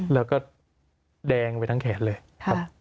แล้วก็แดงไปทั้งแขนเลยครับ